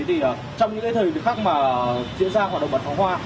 trong những thời gian khác mà diễn ra hoạt động bắn phó hoa